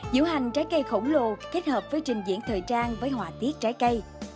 diễu hành trái cây khổng lồ kết hợp với trình diễn thời trang với họa tiết trái cây